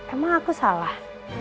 emang aku salah